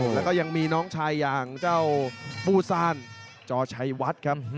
แล้วก็ยังมีน้องชายอย่างเจ้าบูซ่านจอชัยวัดครับ